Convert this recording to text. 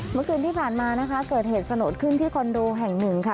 เมื่อคืนที่ผ่านมานะคะเกิดเหตุสลดขึ้นที่คอนโดแห่งหนึ่งค่ะ